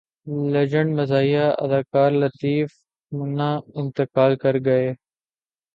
legend مزاحیہ اداکار لطیف منا انتقال کر گئے